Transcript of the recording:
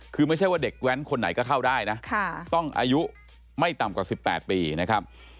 คือไม่ใช่ว่าเด็กแว้นคนไหนก็เข้าได้นะต้องอายุไม่ต่ำกว่า๑๘ปีนะครับ